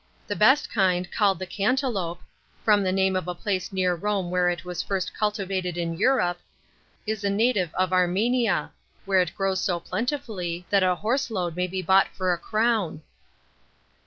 The best kind, called the Cantaloupe, from the name of a place near Rome where it was first cultivated in Europe, is a native of Armenia, where it grows so plentifully that a horse load may be bought for a crown.